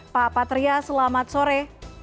pak patria selamat sore